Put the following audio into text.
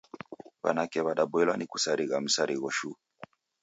W'anake w'adaboilwa ni kusarigha msarigho shuu.